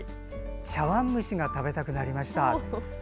茶碗蒸しが食べたくなりました。